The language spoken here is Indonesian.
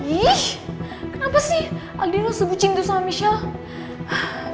ih kenapa sih aldino sebut cintu sama michelle